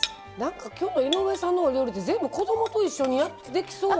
今日の井上さんのお料理って子供と一緒にできそう。